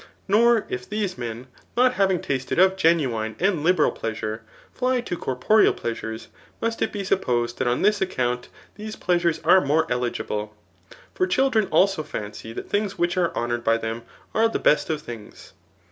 Nor, if these men, not having tasted of genuine and liberal pleasure, fly to corporeal pleasures, must it be supposed that on this account these pleasures are more eligible ; for children also fancy that things which are honoured by them, are the best (^ things.